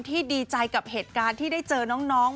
ดีใจกับเหตุการณ์ที่ได้เจอน้อง